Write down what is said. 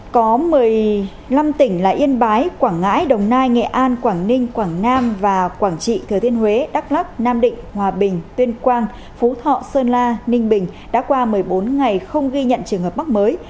có một mươi năm tỉnh là yên bái quảng ngãi đồng nai nghệ an quảng ninh quảng nam và quảng trị thừa thiên huế đắk lắc nam định hòa bình tuyên quang phú thọ sơn la ninh bình đã qua một mươi bốn ngày không ghi nhận trường hợp mắc mới